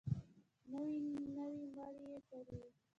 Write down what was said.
نوې نوي مړي يې کړي وو.